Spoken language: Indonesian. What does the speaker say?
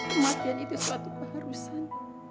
kematian itu suatu keharusan